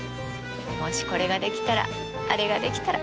もしこれができたらあれができたら。